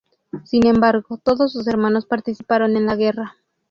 Sin embargo todos sus hermanos participaron en la guerra.